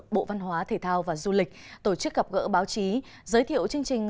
bộ văn hóa thể thao và du lịch tổ chức gặp gỡ báo chí giới thiệu chương trình